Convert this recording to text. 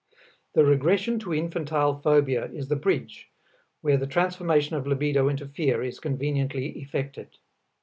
The regression to infantile phobia is the bridge where the transformation of libido into fear is conveniently effected.